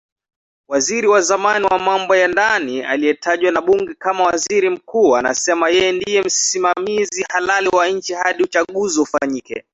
Waziri wa zamani wa mambo ya ndani aliyetajwa na bunge kama waziri mkuu, na anasema yeye ndiye msimamizi halali wa nchi hadi uchaguzi ufanyike